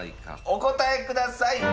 お答えください！